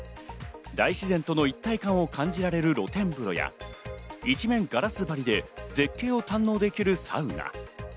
大自然との一体感を感じられる露天風呂や、一面ガラス張りで絶景を堪能できるサウナ。